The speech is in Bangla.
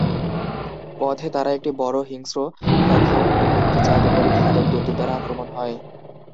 পথে, তারা একটি বড়, হিংস্র ফ্যালহাউন্ড, একটি জাদুকরী-খাদক দৈত্য দ্বারা আক্রমণ হয়।